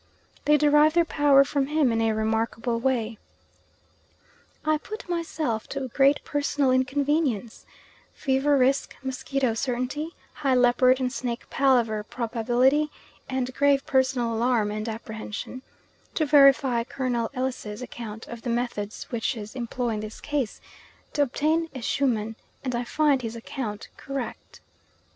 They derive their power from him in a remarkable way. I put myself to great personal inconvenience (fever risk, mosquito certainty, high leopard and snake palaver probability, and grave personal alarm and apprehension) to verify Colonel Ellis's account of the methods witches employ in this case, to obtain ehsuhman and I find his account correct.